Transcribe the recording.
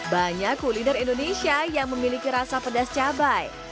banyak kuliner indonesia yang memiliki rasa pedas cabai